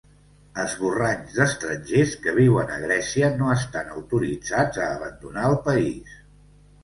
Esborranys d'estrangers que viuen a Grècia no estan autoritzats a abandonar el país.